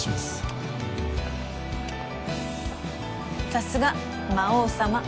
さすが魔王様。